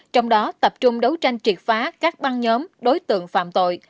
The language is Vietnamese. trong đó tập trung đấu tranh triệt phá các băng nhóm đối tượng phạm tội